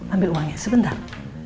ambil uangnya sebentar